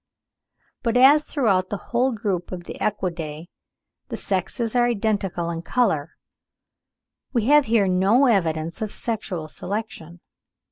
But as throughout the whole group of the Equidae the sexes are identical in colour, we have here no evidence of sexual selection.